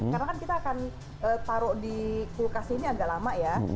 karena kan kita akan taruh di kulkas ini agak lama ya